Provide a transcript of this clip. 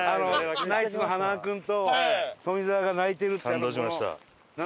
ナイツの塙君と富澤が泣いてるって。